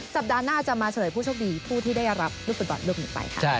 สัปดาห์หน้าจะมาเฉลยผู้โชคดีผู้ที่ได้รับลูกฟุตบอลลูกนี้ไปค่ะ